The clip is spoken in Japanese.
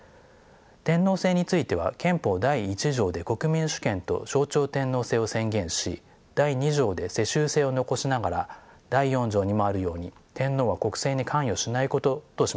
天皇制については憲法第一条で国民主権と象徴天皇制を宣言し第二条で世襲制を残しながら第四条にもあるように天皇は国政に関与しないこととしました。